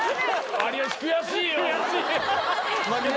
有吉悔しいよ。